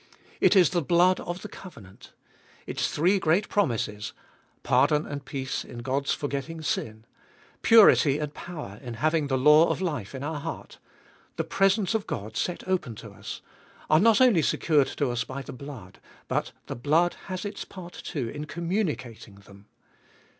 It is the blood of the covenant. Its three great promises — pardon and peace in God's forgetting sin ; purity and power in having the law of life in our heart ; the presence of God set open to us, are not only secured to us by the blood, but the blood has its part too in communicating them.